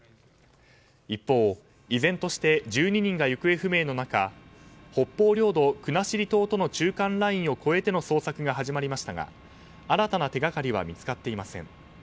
一方、依然として１２人が行方不明の中北方領土、国後島との中間ラインを越えての捜索が始まりましたが新たな手掛かりは見つかっていません。